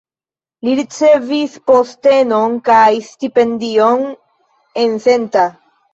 Li ricevis postenon kaj stipendion en Senta.